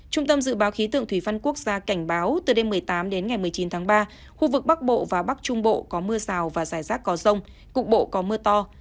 trung tâm dự báo khí tượng thủy văn quốc gia cảnh báo từ đêm một mươi tám đến ngày một mươi chín tháng ba khu vực bắc bộ và bắc trung bộ có mưa rào và rải rác có rông cục bộ có mưa to